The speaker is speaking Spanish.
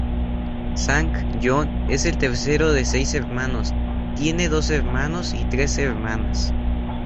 Sang Joon es el tercero de seis hermanos, tiene dos hermanos y tres hermanas.